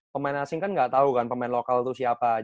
pemain asing kan gak tau kan pemain lokal itu siapa aja